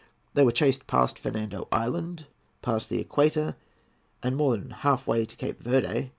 They were chased past Fernando Island, past the Equator, and more than half way to Cape Verde.